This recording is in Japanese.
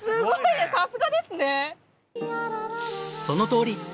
そのとおり！